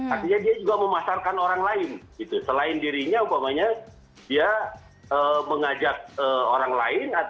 artinya dia juga memasarkan orang lain selain dirinya umpamanya dia mengajak orang lain